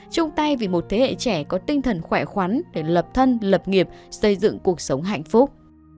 chung tay vì một thế hệ trẻ có tinh thần khỏe khoắn để lập thân lập nghiệp xây dựng cuộc sống hạnh phúc